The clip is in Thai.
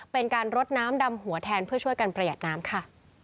เป็นการรดน้ำดำหัวแทนเพื่อช่วยกันประหยัดน้ำค่ะ